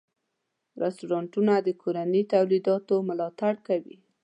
رستورانتونه د کورني تولیداتو ملاتړ کوي.